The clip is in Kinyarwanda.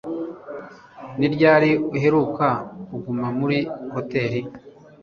Ni ryari uheruka kuguma muri hoteri